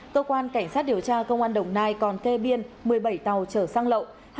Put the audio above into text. cơ quan cảnh sát điều tra công an đồng nai còn kê biên một mươi bảy tàu chở xăng lậu